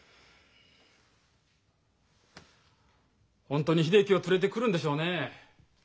本当に秀樹を連れてくるんでしょうねえ？